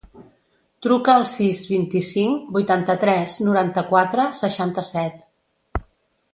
Truca al sis, vint-i-cinc, vuitanta-tres, noranta-quatre, seixanta-set.